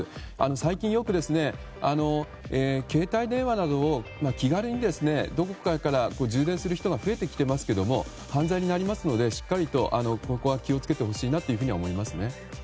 最近よく携帯電話などを気軽にどこかから充電する人が増えていますが犯罪になりますのでしっかりとここは気をつけてほしいなというふうには思いますね。